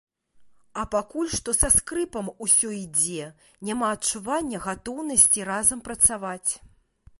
А пакуль што са скрыпам усё ідзе, няма адчування гатоўнасці разам працаваць.